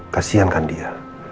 kasian kan dia